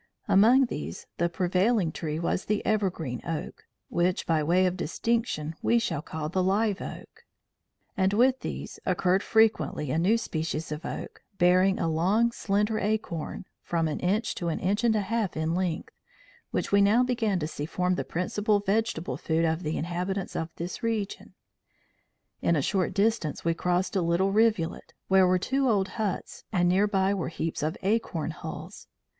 Among these, the prevailing tree was the evergreen oak (which, by way of distinction, we shall call the live oak); and with these, occurred frequently a new species of oak, bearing a long, slender acorn, from an inch to an inch and a half in length, which we now began to see formed the principal vegetable food of the inhabitants of this region. In a short distance we crossed a little rivulet, where were two old huts and near by were heaps of acorn hulls.